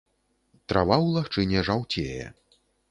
Трава ў лагчыне жаўцее.